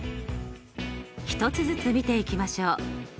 一つずつ見ていきましょう。